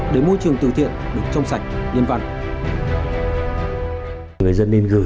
để môi trường từ thiện được trong sạch nhân văn